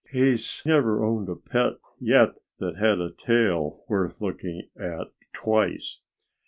"He's never owned a pet yet that had a tail worth looking at twice.